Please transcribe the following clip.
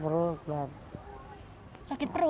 terlalu lama gitu